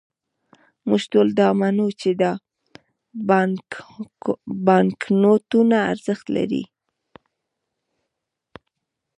موږ ټول دا منو، چې دا بانکنوټونه ارزښت لري.